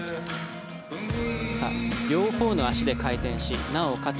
両方の足で回転しなおかつ